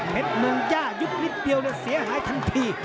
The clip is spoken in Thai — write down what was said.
เมดเมืองจ้ายุบลิดเดียวเสียหายทันที